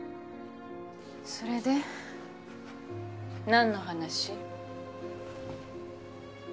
それで何の話？